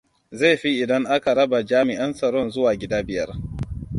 Zai fi idan aka raba jami'an tsaron zuwa gida biyar.